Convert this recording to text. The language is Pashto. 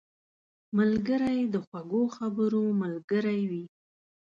ملګری د خوږو خبرو ملګری وي